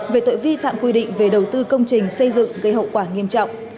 về tội vi phạm quy định về đầu tư công trình xây dựng gây hậu quả nghiêm trọng